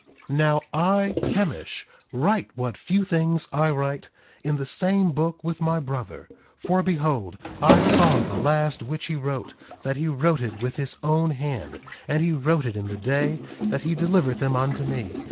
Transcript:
1:9 Now I, Chemish, write what few things I write, in the same book with my brother; for behold, I saw the last which he wrote, that he wrote it with his own hand; and he wrote it in the day that he delivered them unto me.